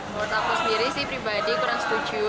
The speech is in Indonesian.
buat aku sendiri sih pribadi kurang setuju